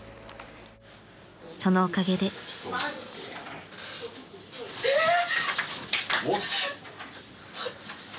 ［そのおかげで］えっ！？